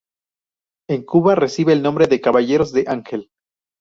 En Cuba recibe el nombre de cabellos de ángel.